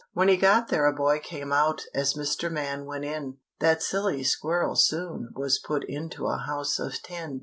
When he got there a boy came out As Mr. Man went in. That silly squirrel soon was put Into a house of tin.